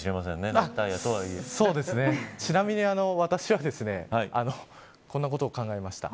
ちなみに私はこんなことを考えました。